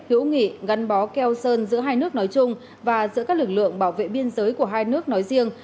hữu nghị gắn bó keo sơn giữa hai nước nói chung và giữa các lực lượng bảo vệ biên giới của hai nước nói riêng